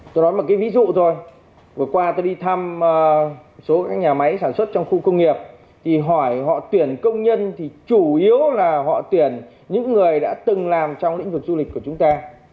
tôi nói một cái ví dụ rồi vừa qua tôi đi thăm số các nhà máy sản xuất trong khu công nghiệp thì hỏi họ tuyển công nhân thì chủ yếu là họ tuyển những người đã từng làm trong lĩnh vực du lịch của chúng ta